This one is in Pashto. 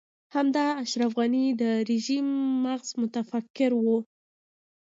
همدا اشرف غني د رژيم مغز متفکر و.